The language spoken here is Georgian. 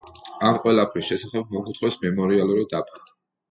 ამ ყველაფრის შესახებ მოგვითხრობს მემორიალური დაფა.